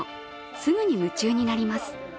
すぐに夢中になります。